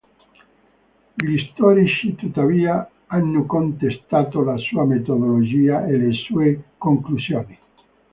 Gli storici, tuttavia, hanno contestato la sua metodologia e le sue conclusioni.